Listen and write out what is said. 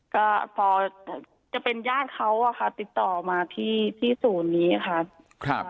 ก็พอจะเป็นญาติเขาอะค่ะติดต่อมาที่ศูนย์นี้ค่ะ